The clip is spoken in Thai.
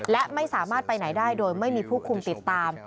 และไม่สามารถไปไหนได้โดยไม่มีผู้คุมติดตาม